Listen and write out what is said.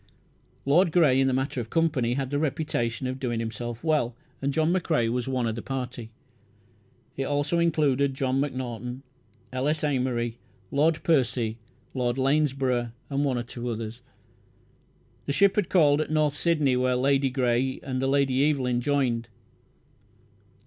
Lord Grey in the matter of company had the reputation of doing himself well. John McCrae was of the party. It also included John Macnaughton, L. S. Amery, Lord Percy, Lord Lanesborough, and one or two others. The ship had called at North Sydney where Lady Grey and the Lady Evelyn joined.